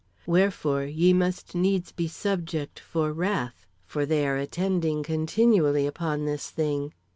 "Wherefore ye must needs be subject for wrath, for they are attending continually upon this thing.